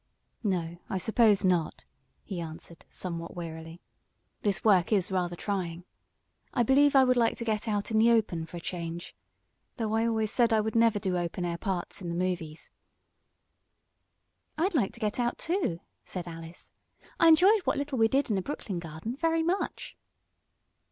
"No, I suppose not," he answered, somewhat wearily. "This work is rather trying. I believe I would like to get out in the open for a change. Though I always said I never would do open air parts in the movies." "I'd like to get out, too," said Alice. "I enjoyed what little we did in the Brooklyn garden very much."